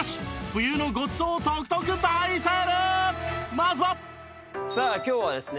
まずはさあ今日はですね